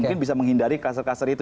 mungkin bisa menghindari kasar kasar itu